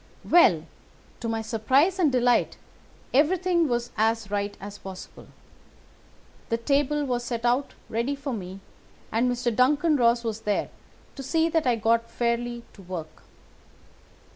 "Well, to my surprise and delight, everything was as right as possible. The table was set out ready for me, and Mr. Duncan Ross was there to see that I got fairly to work.